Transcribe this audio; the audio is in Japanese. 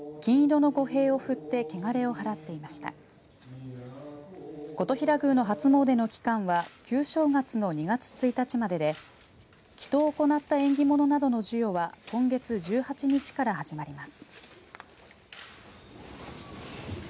金刀比羅宮の初もうでの期間は旧正月の２月１日までで祈とうを行った縁起物などの授与は今月１８日から始まります。